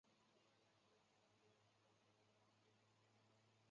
这些著名古迹都给商丘这座历史古城增添了深厚的文化底蕴。